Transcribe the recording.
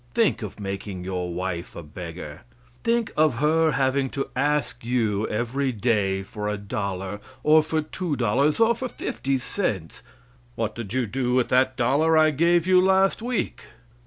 Think of making your wife a beggar! Think of her having to ask you every day for a dollar, or for two dollars, or for fifty cents! "What did you do with that dollar I gave you last week?"